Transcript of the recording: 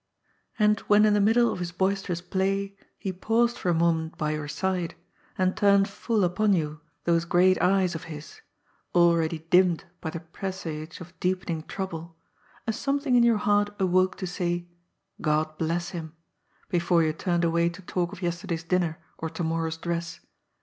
And when in the middle of his boisterous play he paused for a moment by your side, and turned full upon you those great eyes of his, already dimmed by the presage of deepening trouble, a something in your heart awoke to say, ^* God bless him !" before you turned away to talk of yesterday's dinner or to morrow's dress.